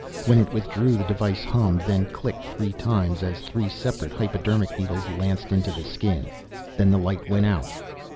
When it withdrew the device hummed, then clicked three times as three separate hypodermic needles lanced into the skin. Then the light went out.